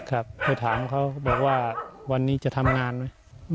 ครับไปถามเขาบอกว่าวันนี้จะทำงานไหม